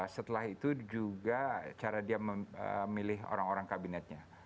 setelah itu juga cara dia memilih orang orang kabinetnya